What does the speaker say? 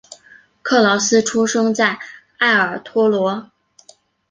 克劳斯出生在埃尔托罗。